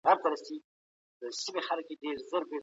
ایا ځايي کروندګر وچ توت پروسس کوي؟